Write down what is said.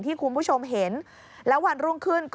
นี่ค่ะคุณผู้ชมพอเราคุยกับเพื่อนบ้านเสร็จแล้วนะน้า